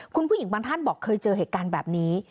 คุณผู้หญิงบางท่านบอกเคยเจอเหตุการณ์แบบนี้